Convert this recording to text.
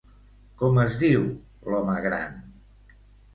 Com es diu, l'home gran?